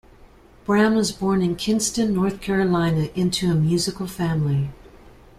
Brown was born in Kinston, North Carolina into a musical family.